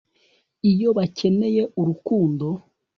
iyo bakeneye urukundo